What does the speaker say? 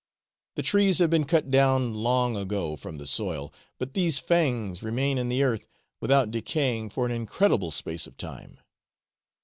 The trees have been cut down long ago from the soil, but these fangs remain in the earth without decaying for an incredible space of time.